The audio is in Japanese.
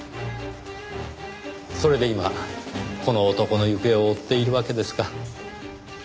それで今この男の行方を追っているわけですか。